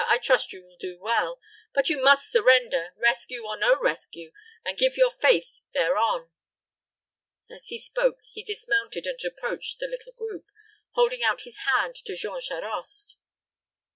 I trust you will do well; but you must surrender, rescue or no rescue, and give your faith thereon." As he spoke, he dismounted and approached the little group, holding out his hand to Jean Charost.